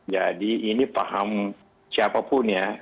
jadi ini paham siapapun ya